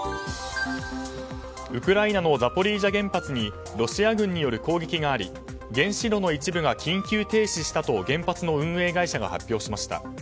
ウクライナのザポリージャ原発にロシア軍による攻撃があり原子炉の一部が緊急停止したと原発の運営会社が発表しました。